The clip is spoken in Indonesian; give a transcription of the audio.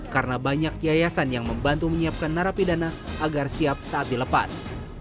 karena banyak yayasan yang membantu menyiapkan narapidana agar siap saat dilepas